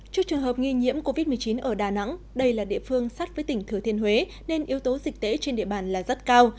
trước trường hợp nghi nhiễm covid một mươi chín ở đà nẵng đây là địa phương sát với tỉnh thừa thiên huế nên yếu tố dịch tễ trên địa bàn là rất cao